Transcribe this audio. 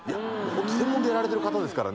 専門でやられてる方ですからね